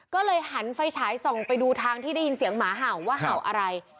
ก็เลยหันไฟฉายส่องไปดูทางที่ได้ยินเสียงหมาเห่าว่าเห่าอะไร